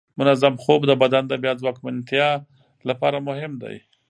منظم خوب د بدن د بیا ځواکمنتیا لپاره مهم دی.